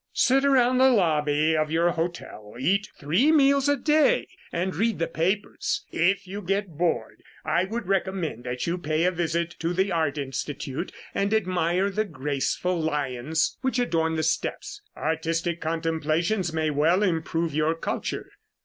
"Sit around the lobby of your hotel, eat three meals a day, and read the papers. If you get bored, I would recommend that you pay a visit to the Art Institute and admire the graceful lions which adorn the steps. Artistic contemplations may well improve your culture."